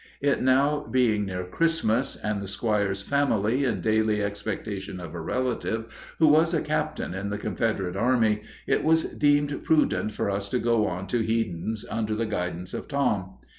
It now being near Christmas, and the squire's family in daily expectation of a relative, who was a captain in the Confederate army, it was deemed prudent for us to go on to Headen's under the guidance of Tom.